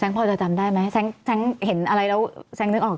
พอจะจำได้ไหมแซงเห็นอะไรแล้วแซงนึกออก